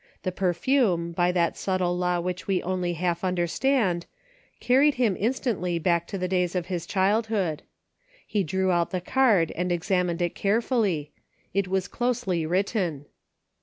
The perfume, by that subtle law which we only half understand, carried him instantly back to the days of his childhood. He drew out the card and examined it carefully ; It was closely written.